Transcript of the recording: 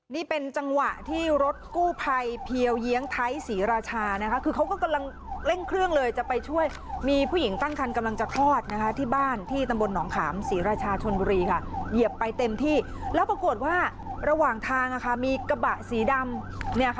นี่เป็นจังหวะที่รถกู้ภัยเพียวเยียงไทยศรีราชานะคะคือเขาก็กำลังเร่งเครื่องเลยจะไปช่วยมีผู้หญิงตั้งคันกำลังจะคลอดนะคะที่บ้านที่ตำบลหนองขามศรีราชาชนบุรีค่ะเหยียบไปเต็มที่แล้วปรากฏว่าระหว่างทางมีกระบะสีดำ